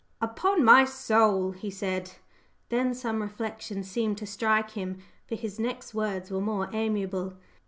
"Upon my soul!" he said. Then some reflection seemed to strike him, for his next words were more amiable.